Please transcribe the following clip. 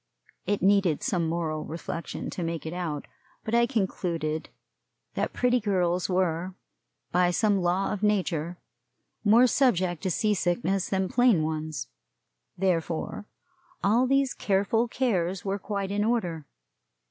It needed some moral reflection to make it out; but I concluded that pretty girls were, by some law of nature, more subject to sea sickness than plain ones; therefore, all these careful cares were quite in order.